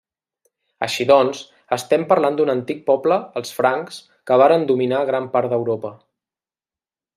Així doncs estem parlant, d'un antic poble, els francs, que varen dominar gran part d'Europa.